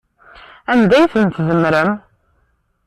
Anda ay ten-tdemmrem?